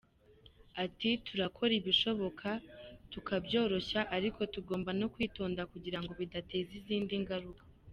Ati ” Turakora ibishoboka tukabyoroshya ariko tugomba no kwitonda kugira ngo bidateza izindi ngaruka.